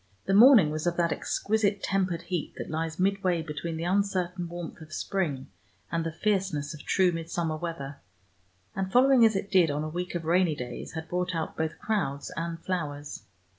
The morning was of that exquisite tempered heat that lies midway between the uncertain warmth of spring and the fierceness of true midsummer weather, and following, as it did, on a week of rainy days had brought out both crowds and flowers.